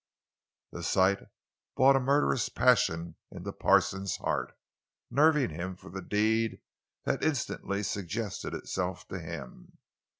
The sight brought a murderous passion into Parsons' heart, nerving him for the deed that instantly suggested itself to him.